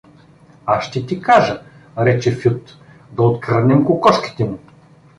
— Аз ще ти кажа — рече Фют. — Да откраднем кокошките му!